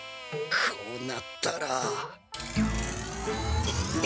こうなったら。